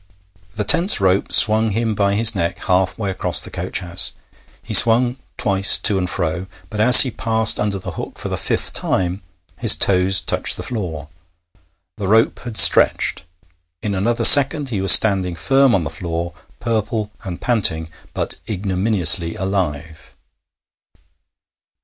The tense rope swung him by his neck halfway across the coach house. He swung twice to and fro, but as he passed under the hook for the fifth time his toes touched the floor. The rope had stretched. In another second he was standing firm on the floor, purple and panting, but ignominiously alive.